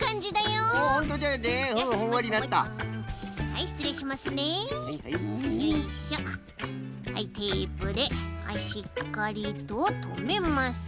はいテープでしっかりととめます。